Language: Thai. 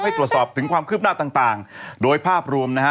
ตรวจสอบถึงความคืบหน้าต่างต่างโดยภาพรวมนะฮะ